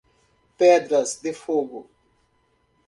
Pedras de Fogo